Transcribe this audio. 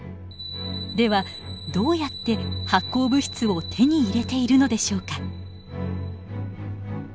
ではどうやって発光物質を手に入れているのでしょうか。